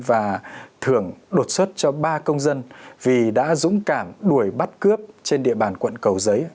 và thưởng đột xuất cho ba công dân vì đã dũng cảm đuổi bắt cướp trên địa bàn quận cầu giấy